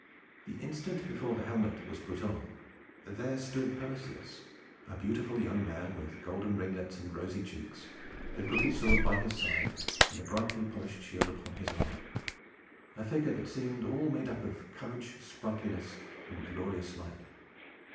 The instant before the helmet was put on, there stood Perseus, a beautiful young man, with golden ringlets and rosy cheeks, the crooked sword by his side, and the brightly polished shield upon his arm, a figure that seemed all made up of courage, sprightliness, and glorious light.